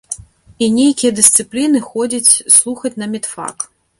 І нейкія дысцыпліны ходзіць слухаць на медфак.